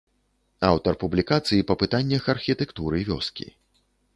Аўтар публікацый па пытаннях архітэктуры вёскі.